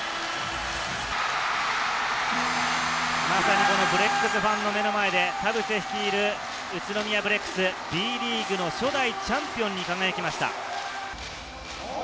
まさにブレックスファンの目の前で田臥率いる宇都宮ブレックス、Ｂリーグ初代チャンピオンに輝きました。